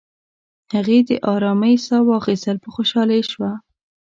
هغې د آرامی ساه واخیستل، په خوشحالۍ شوه.